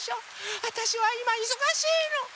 わたしはいまいそがしいの。